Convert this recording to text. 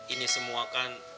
ini semua kan